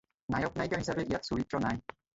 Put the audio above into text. নায়ক নায়িকা হিচাপে ইয়াত চৰিত্ৰ নাই।